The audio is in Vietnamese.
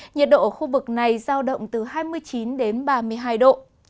nhiệt độ ở khu vực này giao động từ hai mươi chín đến ba mươi hai độ